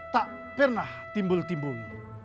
tak pernah timbul timbung